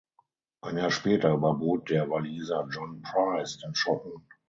Ein Jahr später überbot der Waliser John Price den Schotten.